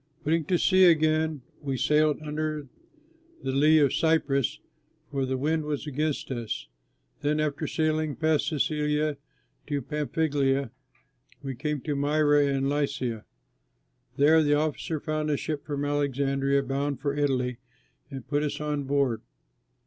Putting to sea again, we sailed under the lee of Cyprus, for the wind was against us. Then after sailing past Cilicia and Pamphylia, we came to Myra in Lycia. There the officer found a ship from Alexandria bound for Italy and put us on board.